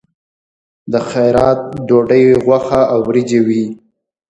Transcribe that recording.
د خیرات ډوډۍ غوښه او وریجې وي.